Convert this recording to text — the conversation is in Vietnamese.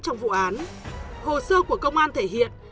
trong vụ án hồ sơ của công an thể hiện